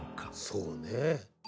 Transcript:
そうね。